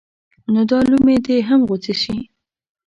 نو دا لومې دې هم غوڅې شي.